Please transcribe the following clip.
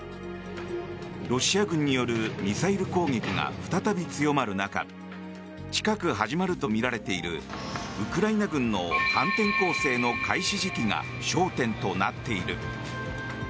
ロシア軍によるミサイル攻撃が再び強まる中近く始まるとみられているウクライナ軍の反転攻勢の開始時期が焦点となっている。